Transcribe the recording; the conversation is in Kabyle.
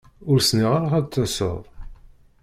Ur s-nniɣ ara ad d-taseḍ.